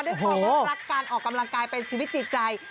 ด้วยความน่ารักการออกกำลังกายเป็นชีวิตจิตใจ